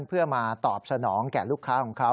เพื่อมาตอบสนองแก่ลูกค้าของเขา